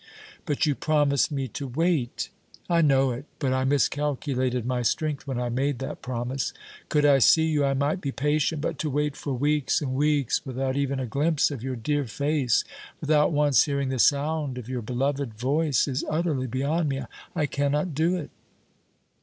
"But you promised me to wait!" "I know it; but I miscalculated my strength when I made that promise. Could I see you I might be patient; but to wait for weeks and weeks without even a glimpse of your dear face, without once hearing the sound of your beloved voice, is utterly beyond me. I cannot do it!"